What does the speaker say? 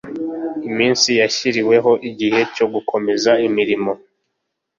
Iminsi yashyiriweho igihe cyo gukomeza imirimo